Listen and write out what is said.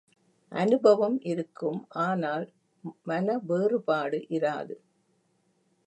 அநுபவம் இருக்கும் ஆனால் மனவேறுபாடு இராது.